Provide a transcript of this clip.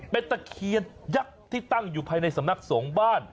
เป็นตะเคียนยักษ์ที่ตั้งอยู่ภายในสำนักสงฆ์บ้าน